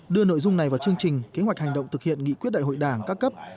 đưa nội dung này vào chương trình kế hoạch hành động thực hiện nghị quyết đại hội đảng các cấp